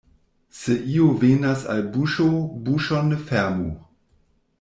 Se io venas al buŝo, buŝon ne fermu.